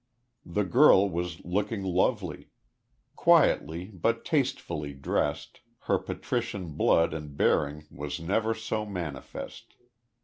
The girl was looking lovely. Quietly but tastefully dressed, her patrician blood and bearing was never so manifest.